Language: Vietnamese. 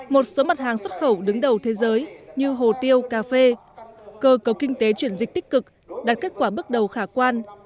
một số mặt hàng xuất khẩu đứng đầu thế giới như hồ tiêu cà phê cơ cấu kinh tế chuyển dịch tích cực đạt kết quả bước đầu khả quan